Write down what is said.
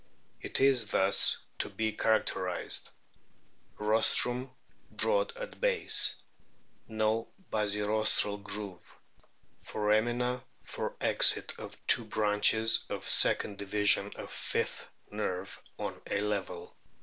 It is thus to be characterised : Rostrum broad at base ; no basirostral groove ; foramina for exit of two branches of second division of fifth nerve on a level.